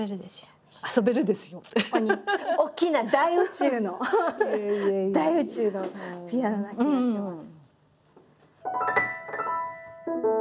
大きな大宇宙の大宇宙のピアノな気がします。